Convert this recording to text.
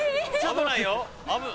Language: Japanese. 危ないよ。